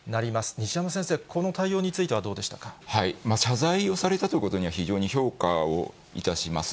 西山先生、謝罪をされたということには非常に評価をいたします。